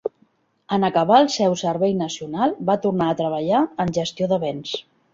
En acabar el seu Servei Nacional, va tornar a treballar en Gestió de Béns.